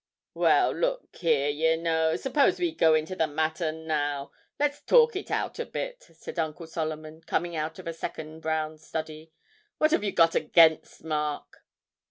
'Well, look here, y' know. Suppose we go into the matter now; let's talk it out a bit,' said Uncle Solomon, coming out of a second brown study. 'What 'ave you got against Mark?'